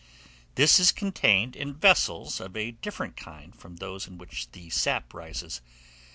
This is contained in vessels of a different kind from those in which the sap rises.